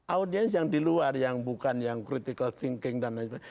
audiens yang di luar yang bukan yang critical thinking dan lain sebagainya